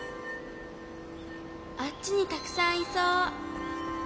あっちにたくさんいそう。